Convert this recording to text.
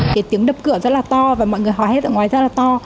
cái tiếng đập cửa rất là to và mọi người hỏi hết ở ngoài rất là to